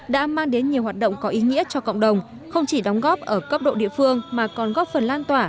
đã mang đến nhiều hoạt động có ý nghĩa cho cộng đồng không chỉ đóng góp ở cấp độ địa phương mà còn góp phần lan tỏa